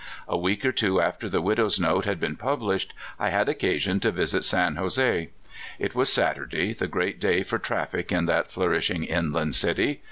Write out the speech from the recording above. A week or two alter the widow's note had been published, I had occasion to visit San Jose. It was Saturday, the great day for traffic in that flourishing city. The Califvniia Traits.